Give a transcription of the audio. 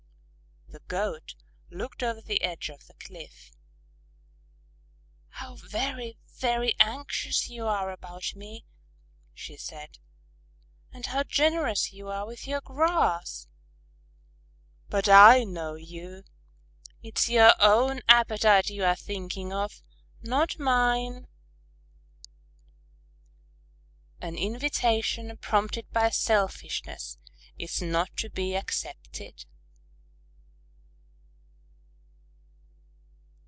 The Goat looked over the edge of the cliff. "How very, very anxious you are about me," she said, "and how generous you are with your grass! But I know you! It's your own appetite you are thinking of, not mine!" _An invitation prompted by selfishness is not to be accepted.